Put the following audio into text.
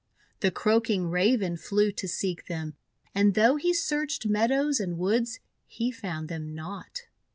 The croaking Raven flew to seek them; and though he searched meadows and woods, he found them not.